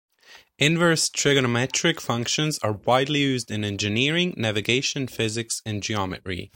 Inverse trigonometric functions are widely used in engineering, navigation, physics, and geometry.